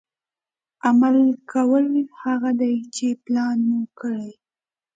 عمل کول هغه دي چې پلان مو کړي.